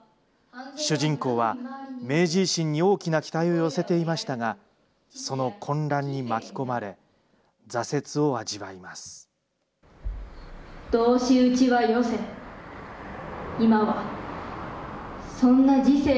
主人公は明治維新に大きな期待を寄せていましたが、その混乱に巻き込まれ、同士討ちはよせ。